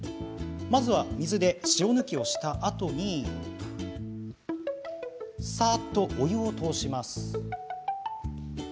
まずは水で塩抜きをしたあとにさっとお湯を通します。